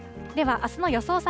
ではあすの予想